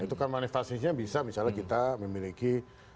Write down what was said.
itu kan manifestasinya bisa misalnya kita memiliki